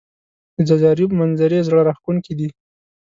د ځاځي اریوب منظزرې زړه راښکونکې دي